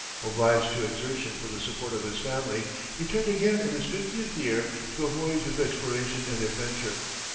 Obliged to exertion for the support of his family, he turned again in his fiftieth year to a voyage of exploration and adventure.